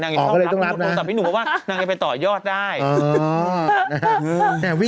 นางอยู่ช่องรับแต่พี่หนูบอกว่านางจะไปต่อยอดได้